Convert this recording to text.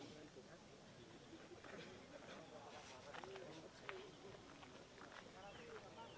jangan ada yang malas semuanya